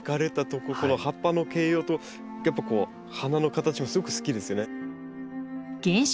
この葉っぱの形容とやっぱこう花の形もすごく好きですね。